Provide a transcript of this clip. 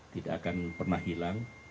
tidak akan pernah hilang